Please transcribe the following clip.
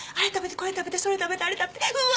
これ食べてそれ食べてあれ食べてうわ！